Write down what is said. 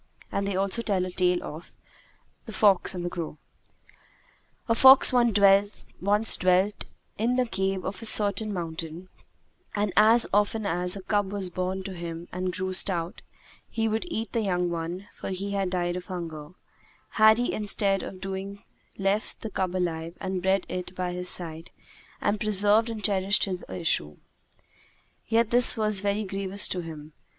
And they also tell a tale of THE FOX AND THE CROW A Fox once dwelt in a cave of a certain mountain and, as often as a cub was born to him and grew stout, he would eat the young one, for he had died of hunger, had he instead of so doing left the cub alive and bred it by his side and preserved and cherished his issue. Yet was this very grievous to him.